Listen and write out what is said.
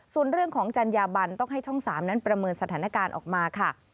ส่วนเรื่องของจัญญาบันต้องให้ช่อง๓นั้นประเมินสถานการณ์ออกมาค่ะ